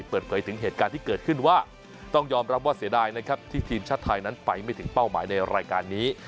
เปิดเผยถึงเหตุการณ์ที่เกิดขึ้นว่าต้องยอมรับว่าเสียดายนะครับที่ทีมชาติไทยนั้นไปไม่ถึงเป้าหมายในรายการนี้